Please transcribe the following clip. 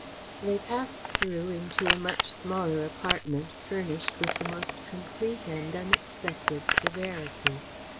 They passed through into a much smaller apartment, furnished with the most complete and unexpected severity.